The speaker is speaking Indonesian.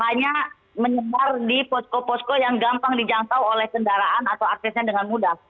hanya menyebar di posko posko yang gampang dijangkau oleh kendaraan atau aksesnya dengan mudah